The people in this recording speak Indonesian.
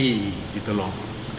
mediasi gitu loh